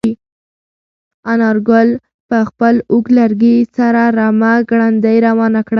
انارګل په خپل اوږد لرګي سره رمه ګړندۍ روانه کړه.